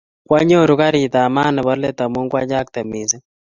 Kwanyoru kariit ab maat nebo let amu kwachakte mising